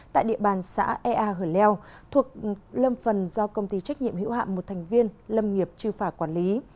tại địa bàn xã ea hờ leo thuộc lâm phần do công ty trách nhiệm hữu hạm một thành viên lâm nghiệp trư phả quản lý